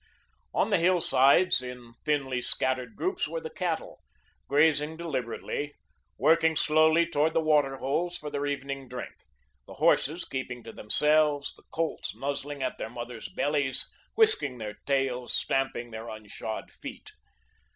On the hillsides, in thinly scattered groups were the cattle, grazing deliberately, working slowly toward the water holes for their evening drink, the horses keeping to themselves, the colts nuzzling at their mothers' bellies, whisking their tails, stamping their unshod feet.